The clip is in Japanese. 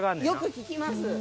よく聞きます。